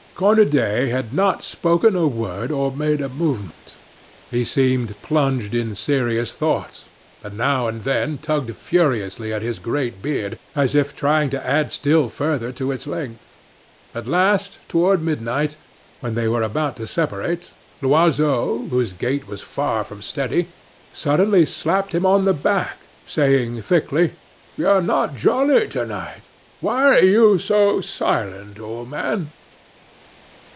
Cornudet had not spoken a word or made a movement; he seemed plunged in serious thought, and now and then tugged furiously at his great beard, as if trying to add still further to its length. At last, toward midnight, when they were about to separate, Loiseau, whose gait was far from steady, suddenly slapped him on the back, saying thickly: "You're not jolly to night; why are you so silent, old man?"